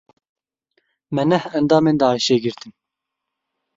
Me neh endamên Daişê girtin.